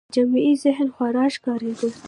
جمعي ذهن خوار ښکارېده